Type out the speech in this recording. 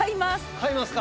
買いますか。